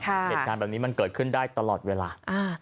เหตุการณ์แบบนี้มันเกิดขึ้นได้ตลอดเวลา